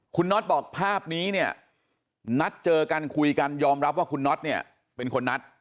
คุณน็อตบอกภาพนี้เนี่ยนัดเจอกันคุยกันยอมรับว่าคุณน็อตเนี่ยเป็นคนนัด